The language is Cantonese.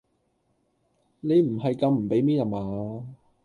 你唔係咁唔俾面呀嘛？